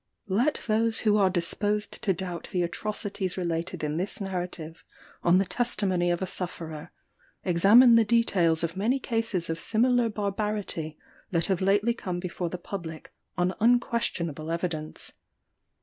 Let those who are disposed to doubt the atrocities related in this narrative, on the testimony of a sufferer, examine the details of many cases of similar barbarity that have lately come before the public, on unquestionable evidence.